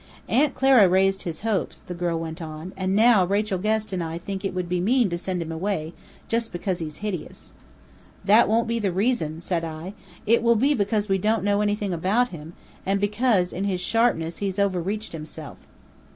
"Aunt Clara raised his hopes," the girl went on, "and now Rachel Guest and I think it would be mean to send him away, just because he's hideous." "That won't be the reason!" said I. "It will be because we don't know anything about him, and because in his sharpness he's over reached himself."